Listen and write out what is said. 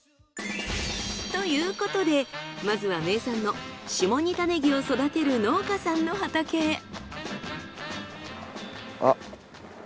ということでまずは名産の下仁田ねぎを育てる農家さんの畑へ。